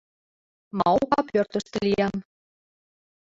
Маока пӧртыштӧ лиям.